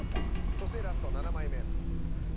そしてラスト７枚目。